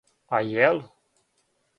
А је л?